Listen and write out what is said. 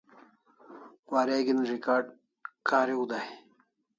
Wareg'in record kariu dai